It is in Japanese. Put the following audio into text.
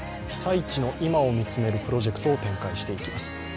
被災地の今を見つめるプロジェクトを展開していきます。